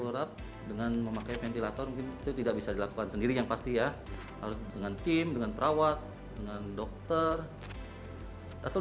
yang kelamin palingnya tentunya memp institution pasienten kularat dengan memakai ventilator gitu tidak bisa dilakukan sendiri yang pasti ya harus dengan kim dengan perawat dengan dengan pakmedesteran dari serasa serangan ujung keluarga ini